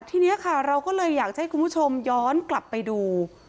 ทีนี้ค่ะเราก็เลยอยากจะให้คุณผู้ชมย้อนกลับไปดู